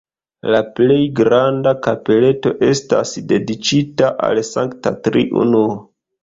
La plej granda kapeleto estas dediĉita al Sankta Triunuo.